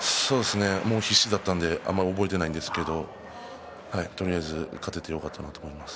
もう必死だったのでよく覚えていないんですけどとりあえず勝ててよかったなと思います。